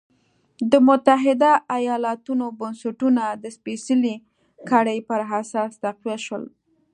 د متحده ایالتونو بنسټونه د سپېڅلې کړۍ پر اساس تقویه شول.